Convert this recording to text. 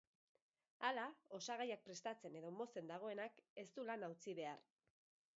Hala, osagaiak prestatzen edo mozten dagoenak ez du lana utzi behar.